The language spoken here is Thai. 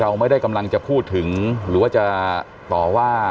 เราไม่ได้กำลังจะพูดถึงหรือว่าจะต่อว่า